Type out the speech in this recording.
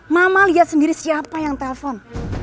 mama lihat sendiri siapa yang telpon